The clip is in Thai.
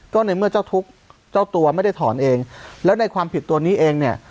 ก็ในเมื่อเจ้าทุกข์เจ้าตัวไม่ได้ถอนเองแล้วในความผิดตัวนี้เองเนี่ย